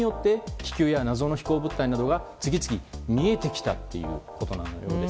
気球や謎の飛行物体が次々見えてきたということだそうです。